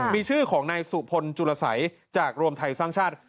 มีชื่อของนายสุพลจุลสัยจากรวมไทยสร้างชาติ